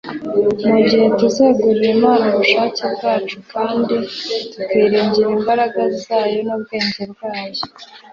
Mu gihe tuzegurira Imana ubushake bwacu kandi tukiringira imbaraga zayo n’ubwenge bwayo,